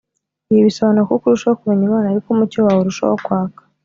Ibi bisobanura ko uko urushaho kumenya imana ari ko umucyo wae urushaho kwaka